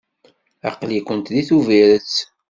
Aql-ikent deg Tubiret.